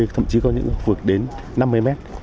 thậm chí có những khu vực đến năm mươi mét